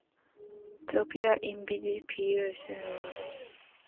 Zosquidir inhibits P-glycoproteins.